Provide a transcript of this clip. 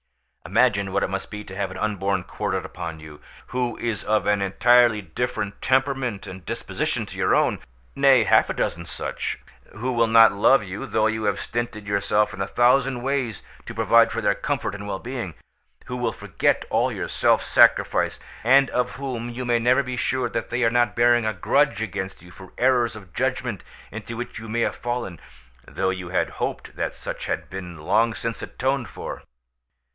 "Imagine what it must be to have an unborn quartered upon you, who is of an entirely different temperament and disposition to your own; nay, half a dozen such, who will not love you though you have stinted yourself in a thousand ways to provide for their comfort and well being,—who will forget all your self sacrifice, and of whom you may never be sure that they are not bearing a grudge against you for errors of judgement into which you may have fallen, though you had hoped that such had been long since atoned for.